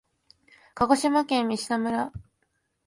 鹿児島県三島村